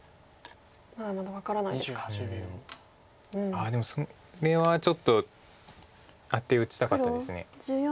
あっでもそれはちょっとアテ打ちたかったです。